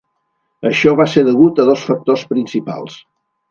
Això va ser degut a dos factors principals.